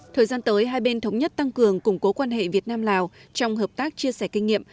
thời gian tới hai bên thống nhất tăng cường củng cố quan hệ việt nam lào trong hợp tác chia sẻ kinh nghiệm